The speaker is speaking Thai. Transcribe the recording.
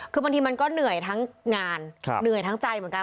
คือบางทีมันก็เหนื่อยทั้งงานเหนื่อยทั้งใจเหมือนกัน